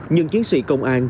nhưng chiến sĩ công an